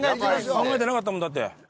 考えてなかったもんだって。